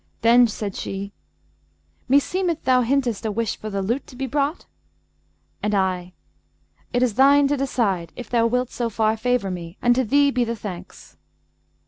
Then said she, 'Meseemeth thou hintest a wish for the lute to be brought?' and I, 'It is thine to decide, if thou wilt so far favour me, and to thee be the thanks.'